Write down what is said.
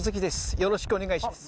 よろしくお願いします。